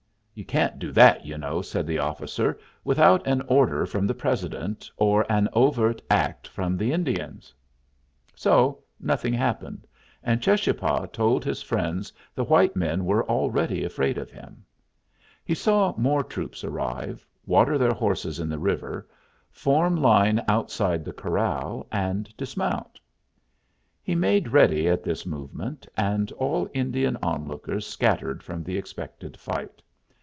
"You can't do that, you know," said the officer, "without an order from the President, or an overt act from the Indians." So nothing happened, and Cheschapah told his friends the white men were already afraid of him. He saw more troops arrive, water their horses in the river, form line outside the corral, and dismount. He made ready at this movement, and all Indian on lookers scattered from the expected fight.